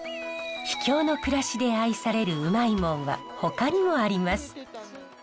秘境の暮らしで愛されるウマいモンはほかにもあります。